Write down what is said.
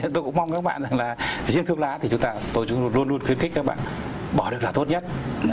tôi cũng mong các bạn rằng là riêng thuốc lá thì chúng ta luôn luôn khuyến khích các bạn bỏ được là tốt nhất